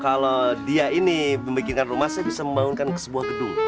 kalau dia ini membuat rumah saya bisa membangunkan sebuah gedung